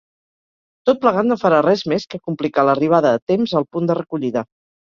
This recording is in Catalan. Tot plegat no farà res més que complicar l'arribada a temps al punt de recollida.